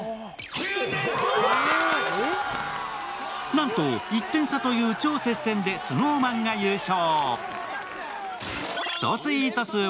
なんと１点差とい超接戦でＳｎｏｗＭａｎが優勝。